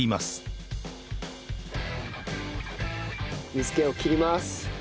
水気を切ります。